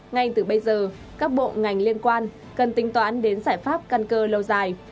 ngay từ bây giờ các bộ ngành liên quan cần tính toán đến giải pháp căn cơ lâu dài